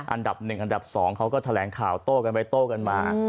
อันดับ๑อันดับ๒เขาก็แถลงข่าวโต้กันไปโต้กันมา